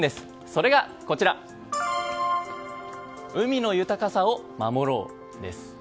それが、海の豊かさを守ろうです。